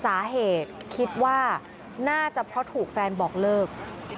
สาเหตุคิดว่าน่าจะเพราะถูกแฟนบอกเลิก